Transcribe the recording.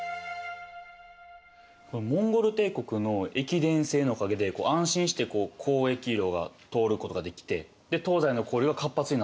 モンゴル帝国の駅伝制のおかげで安心して交易路が通ることができてで東西の交流が活発になっていったってことなんですね。